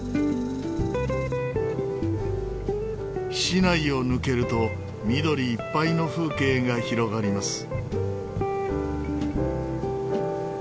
市内を抜けると緑いっぱいの風景が広がります。